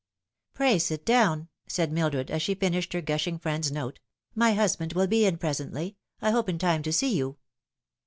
" Pray sit down " said Mildred, as she finished her gushing friend's note ;" my husband will be in presently I hope in time to see you."